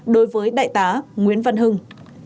đối với đại tá nguyễn văn hưng